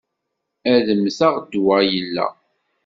Ad mmteɣ, ddwa illa.